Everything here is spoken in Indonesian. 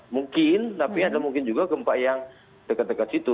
mungkin tapi ada mungkin juga gempa yang dekat dekat situ